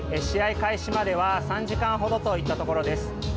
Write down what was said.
試合開始までは３時間ほどといったところです。